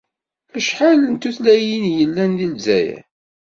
Acḥal n tutlayin i yellan di Lezzayer?